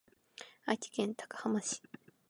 愛知県高浜市